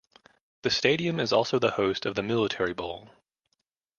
The stadium is also the host of the Military Bowl.